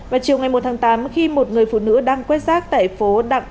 vào chiều ngày một tháng tám khi một người phụ nữ đang quét rác tại phố đặng